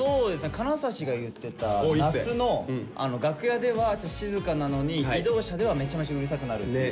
金指が言ってた那須の楽屋では静かなのに移動車ではめちゃめちゃうるさくなるっていう。